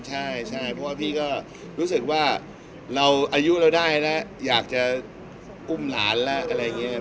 ใช่เพราะว่าพี่ก็รู้สึกว่าเราอายุเราได้แล้วอยากจะอุ้มหลานแล้วอะไรอย่างนี้